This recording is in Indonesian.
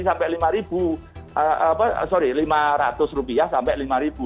sampai lima ribu sorry lima ratus rupiah sampai lima ribu